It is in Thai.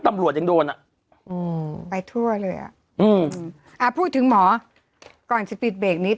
ตำรวจยังโดนอ่ะอืมไปทั่วเลยอ่ะอืมอ่าพูดถึงหมอก่อนจะปิดเบรกนี้